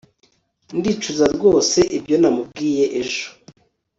ndicuza rwose ibyo namubwiye ejo